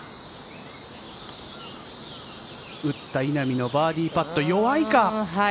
打った稲見のバーディーパット、弱いか？